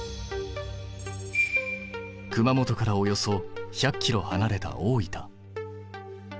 熊本からおよそ１００ｋｍはなれた大分。